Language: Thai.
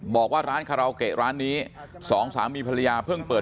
บอกว่าร้านคาราโอเกะร้านนี้สองสามีภรรยาเพิ่งเปิด